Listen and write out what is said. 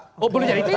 oh boleh jadi tidak